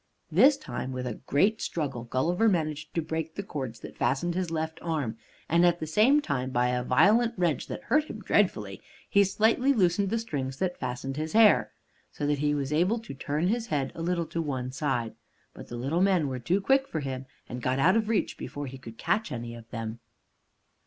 This time, with a great struggle Gulliver managed to break the cords that fastened his left arm, and at the same time, by a violent wrench that hurt him dreadfully, he slightly loosened the strings that fastened his hair, so that he was able to turn his head a little to one side. But the little men were too quick for him, and got out of reach before he could catch any of them.